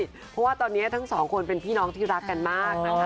เพราะว่าตอนนี้ทั้งสองคนเป็นพี่น้องที่รักกันมากนะคะ